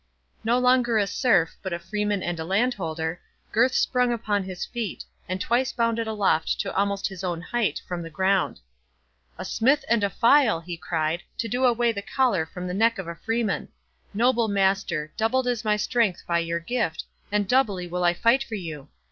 No longer a serf, but a freeman and a landholder, Gurth sprung upon his feet, and twice bounded aloft to almost his own height from the ground. "A smith and a file," he cried, "to do away the collar from the neck of a freeman!—Noble master! doubled is my strength by your gift, and doubly will I fight for you!